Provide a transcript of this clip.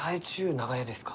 長屋ですか？